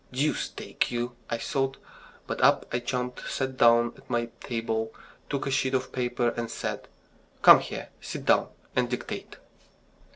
"Deuce take you!" I thought; but up I jumped, sat down at my table, took a sheet of paper, and said: "Come here, sit down, and dictate!"